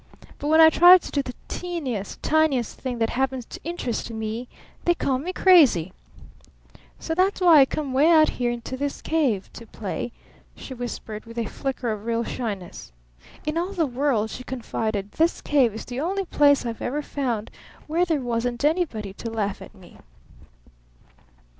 But when I try to do the teeniest tiniest thing that happens to interest me they call me 'crazy'! So that's why I come 'way out here to this cave to play," she whispered with a flicker of real shyness. "In all the world," she confided, "this cave is the only place I've ever found where there wasn't anybody to laugh at me."